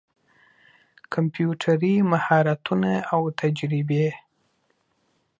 کمپيوټري مهارتونه او تجربې